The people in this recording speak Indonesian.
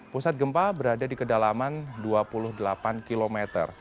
pusat gempa berada di kedalaman dua puluh delapan km